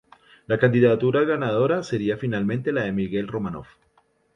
La candidatura ganadora sería finalmente la de Miguel Romanov.